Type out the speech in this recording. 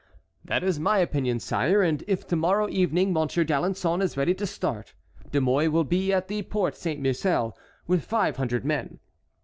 "That is my opinion, sire, and if to morrow evening Monsieur d'Alençon is ready to start, De Mouy will be at the Porte Saint Marcel with five hundred men.